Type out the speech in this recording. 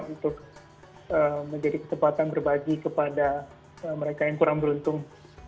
untuk menjadi kesempatan berbagi kepada mereka yang kurang beruntung